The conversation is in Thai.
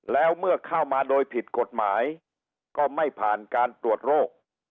แล้วเมื่อเข้ามาโดยผิดกฎหมายก็ไม่ผ่านการตรวจโรค